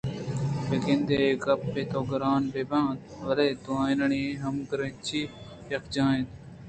بہ گندے اے گپ پہ تو گرٛان بہ بنت بلئے دوئینانی ہمگرٛنچی یکجاہ اَنت